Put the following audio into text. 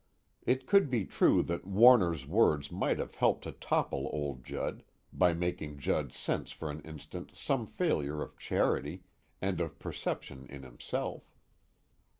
_ It could be true that Warner's words might have helped to topple old Judd, by making Judd sense for an instant some failure of charity and of perception in himself.